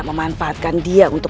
memanfaatkan dia untuk